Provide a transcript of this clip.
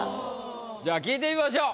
じゃあ聞いてみましょう。